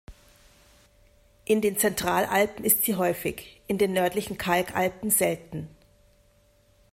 In den Zentralalpen ist sie häufig, in den nördlichen Kalkalpen selten.